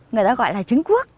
người ta gọi là trứng cuốc